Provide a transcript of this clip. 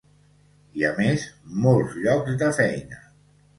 I, a més, molts llocs de feina.